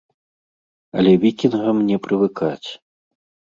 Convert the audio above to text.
Але вікінгам не прывыкаць.